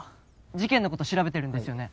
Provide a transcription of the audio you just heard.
事件のこと調べてるんですよね？